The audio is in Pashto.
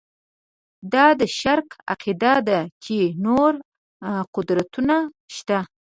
دا د شرک عقیده ده چې نور قدرتونه شته.